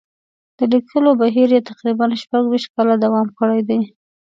د لیکلو بهیر یې تقریباً شپږ ویشت کاله دوام کړی دی.